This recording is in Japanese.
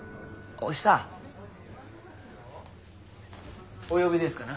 お呼びですかな？